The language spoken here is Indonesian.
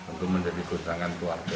untuk menjadi gudangan keluarga